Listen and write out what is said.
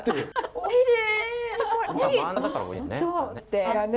おいしい！